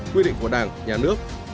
quy định của đảng nhà nước